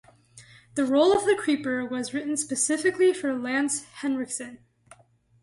The role of the Creeper was written specifically for Lance Henriksen.